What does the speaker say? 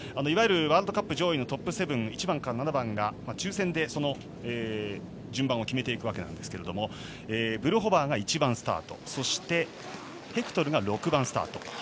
いわゆるワールドカップ上位のトップ７１番から７番が抽選で順番を決めていくわけですがブルホバーが１番スタートそして、ヘクトルが６番スタート。